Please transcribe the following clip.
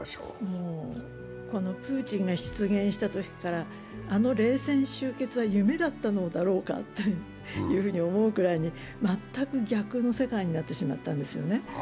プーチンが出現したときから、あの冷戦終結は夢だったのだろうかというふうに思うくらいに全く逆の世界になってしまったんですよね。